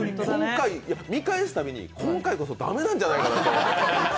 見返すたびに、今回こそ駄目なんじゃないかなと。